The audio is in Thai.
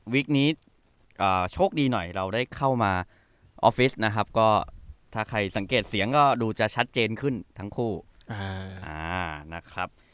นี้โชคดีหน่อยเราได้เข้ามาออฟฟิศนะครับก็ถ้าใครสังเกตเสียงก็ดูจะชัดเจนขึ้นทั้งคู่นะครับ